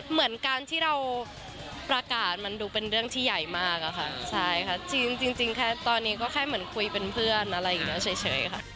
เหมือนการที่เราประกาศมันดูเป็นเรื่องที่ใหญ่มากอะค่ะใช่ค่ะจริงจริงแค่ตอนนี้ก็แค่เหมือนคุยเป็นเพื่อนอะไรอย่างเงี้เฉยค่ะ